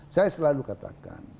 saya selalu katakan